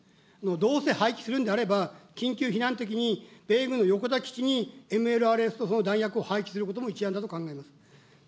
どうせ廃棄するんであれば、緊急避難的に、米軍の横田基地にＭＬＲＳと、弾薬を廃棄することも一案だと考えます。